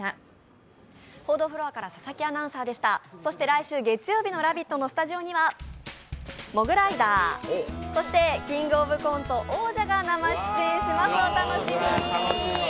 そして来週月曜日の「ラヴィット！」のスタジオにはモグライダー、そして「キングオブコント」王者が生出演します。